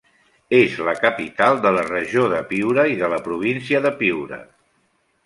És la capital de la Regió de Piura i de la Província de Piura.